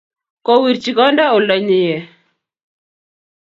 Kowirchi konda olda nyie